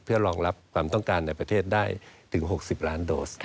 เพื่อรองรับความต้องการในประเทศได้ถึง๖๐ล้านโดส